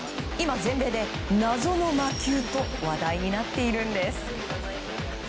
今、全米で謎の魔球と話題になっているんです。